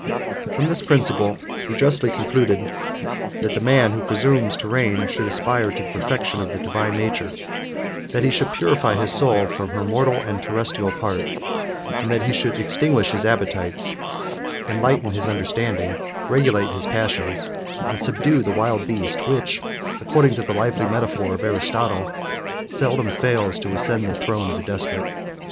From this principle he justly concluded, that the man who presumes to reign, should aspire to the perfection of the divine nature; that he should purify his soul from her mortal and terrestrial part; that he should extinguish his appetites, enlighten his understanding, regulate his passions, and subdue the wild beast, which, according to the lively metaphor of Aristotle, 48 seldom fails to ascend the throne of a despot.